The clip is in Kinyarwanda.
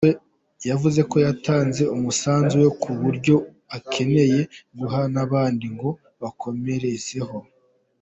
Yavuze ko yatanze umusanzu we ku buryo akeneye guha n’abandi ngo bakomerezeho.